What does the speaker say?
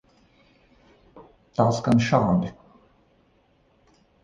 Tā skan šādi.